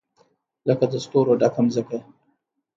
لکه د ستورو ډکه مځکه